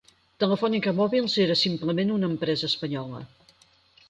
Telefònica Mòbils era simplement una empresa espanyola.